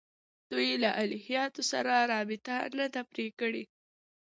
دوی له الهیاتو سره رابطه نه ده پرې کړې.